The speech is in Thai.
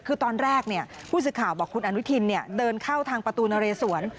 คือตอนแรกผู้สื่อข่าวบอกคุณอนุทินเดินเข้าทางประตูนเรสวน